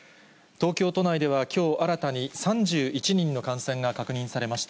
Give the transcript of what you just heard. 東京都内ではきょう、新たに３１人の感染が確認されました。